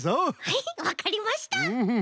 はいわかりました。